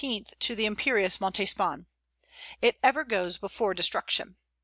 to the imperious Montespan. It ever goes before destruction.